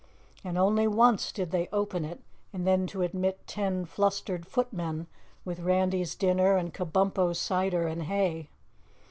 And only once did they open it, and then to admit ten flustered footmen with Randy's dinner and Kabumpo's cider and hay.